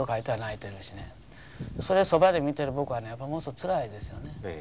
それをそばで見てる僕はものすごくつらいですよね。